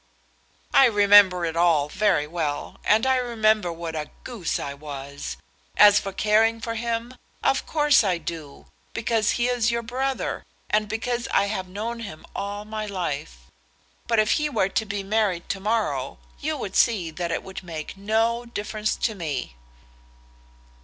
"I remember it all very well, and I remember what a goose I was. As for caring for him, of course I do, because he is your brother, and because I have known him all my life. But if he were going to be married to morrow, you would see that it would make no difference to me."